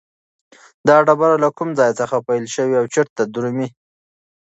دا ډبره له کوم ځای څخه پیل شوې او چیرته درومي؟